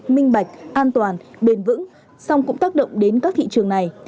minh bạch an toàn bền vững xong cũng tác động đến các thị trường này